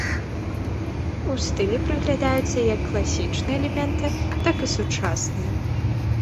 У стылі праглядаюцца як класічныя элементы, так і сучасныя.